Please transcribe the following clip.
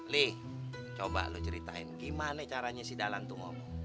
leh coba lo ceritain gimana caranya si dalan tuh ngomong